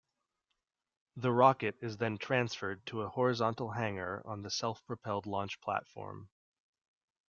The rocket is then transferred to a horizontal hangar on the self-propelled launch platform.